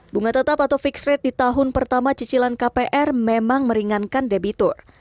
bunga tetap atau fixed rate di tahun pertama cicilan kpr memang meringankan debitur